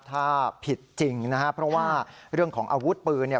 ถ้าผิดจริงนะฮะเพราะว่าเรื่องของอาวุธปืนเนี่ย